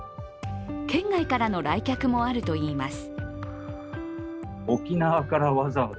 県外からの来客もあるといいます。